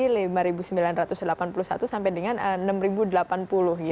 dari lima sembilan ratus delapan puluh satu sampai dengan enam delapan puluh gitu